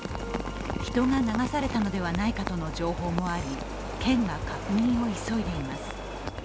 人が流されたのではないかとの情報もあり、県が確認を急いでいます。